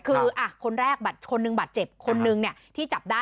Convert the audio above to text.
คืออ่ะคนแรกบาดคนหนึ่งบาดเจ็บคนหนึ่งเนี้ยที่จับได้